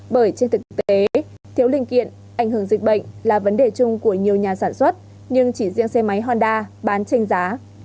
bởi trên thực tế thiếu linh kiện ảnh hưởng dịch bệnh là vấn đề chung của nhiều nhà sản xuất nhưng chỉ riêng xe máy honda bán tranh giá